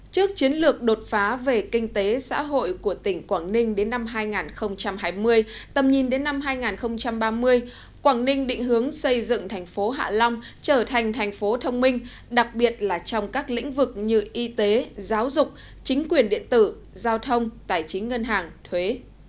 trước chiến lược đột phá về kinh tế xã hội của tỉnh quảng ninh đến năm hai nghìn hai mươi tầm nhìn đến năm hai nghìn ba mươi quảng ninh định hướng xây dựng thành phố hạ long trở thành thành phố thông minh đặc biệt là trong các lĩnh vực như y tế giáo dục chính quyền điện tử giao thông tài chính ngân hàng thuế